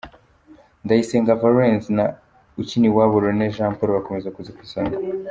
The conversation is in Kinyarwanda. :Ndayisenga Valens na Ukiniwabo René Jean Paul bakomeje kuza ku isonga.